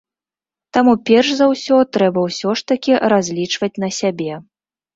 Таму перш за ўсё трэба ўсё ж такі разлічваць на сябе.